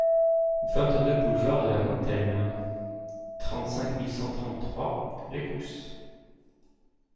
vingt-deux boulevard de la Motelle, trente-cinq mille cent trente-trois Lécousse